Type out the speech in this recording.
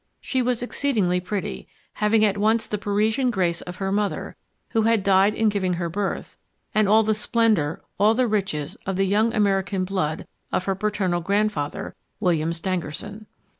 She was exceedingly pretty, having at once the Parisian grace of her mother, who had died in giving her birth, and all the splendour, all the riches of the young American blood of her parental grandfather, William Stangerson.